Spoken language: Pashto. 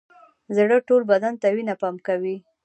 زړه ټول بدن ته وینه پمپ کوي